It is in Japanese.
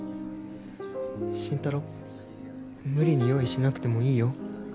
心太朗無理に用意しなくてもいいよ